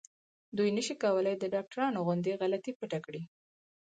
دوی نشي کولای د ډاکټرانو غوندې غلطي پټه کړي.